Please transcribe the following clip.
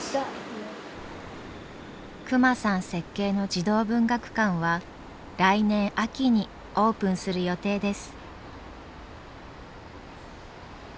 隈さん設計の児童文学館は来年秋にオープンする予定です。